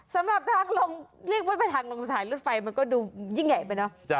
สำหรับทางรถไฟมันก็ดูยิ่งใหญ่ไปเนอะ